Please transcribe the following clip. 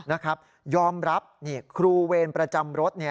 นะครับยอมรับครูเวรประจำรถ